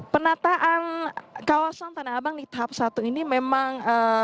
penataan kawasan tanah abang di tahap satu ini memang